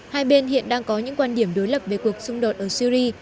hai bên hiện đang có những quan điểm đối lập về cuộc xung đột ở syri